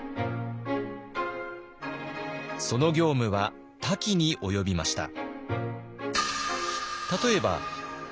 その業務は多岐に及びました。